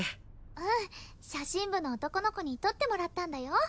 うん写真部の男の子に撮ってもらったんだよ